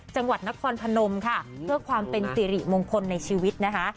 จังหวัดนครพนมค่ะเพื่อความเป็นสิริมงคลในชีวิตนะคะ